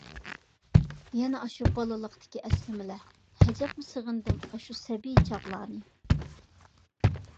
يەنە ئاشۇ بالىلىقتىكى ئەسلىمىلەر، ھەجەپمۇ سېغىندىم ئاشۇ سەبىي چاغلارنى...